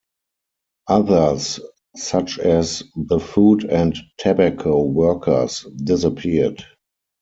Others, such as the Food and Tobacco Workers, disappeared.